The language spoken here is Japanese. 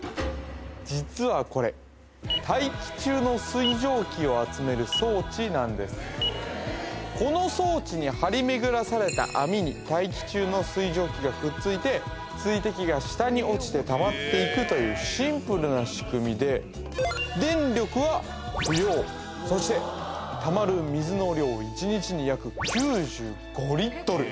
実はこれ大気中の水蒸気を集める装置なんですこの装置に張り巡らされた網に大気中の水蒸気がくっついて水滴が下に落ちてたまっていくというシンプルな仕組みで電力は不要そしてたまる水の量１日に約９５リットル